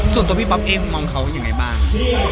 ตัวพี่ป๊อบเอกมองเธออย่างไรบ้าง